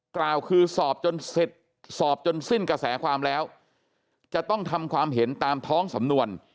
กล่าวคือสอบจนเสร็จสอบจนสิ้นกระแสความแล้วจะต้องทำความเห็นตามท้องสำนวน